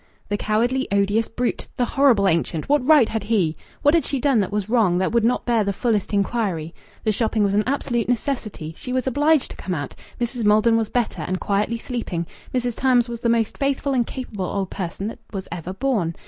The cowardly, odious brute! The horrible ancient! What right had he?... What had she done that was wrong, that would not bear the fullest inquiry. The shopping was an absolute necessity. She was obliged to come out. Mrs. Maldon was better, and quietly sleeping. Mrs. Tarns was the most faithful and capable old person that was ever born.